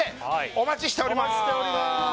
お待ちしております